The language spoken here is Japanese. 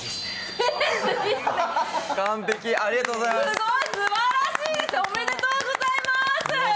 すごい、すばらしいですおめでとうございます。